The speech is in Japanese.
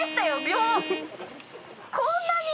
こんなに？